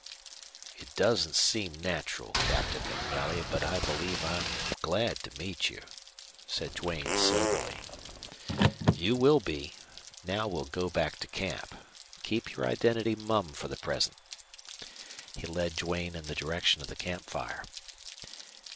"It doesn't seem natural, Captain MacNelly, but I believe I'm glad to meet you," said Duane, soberly. "You will be. Now we'll go back to camp. Keep your identity mum for the present." He led Duane in the direction of the camp fire.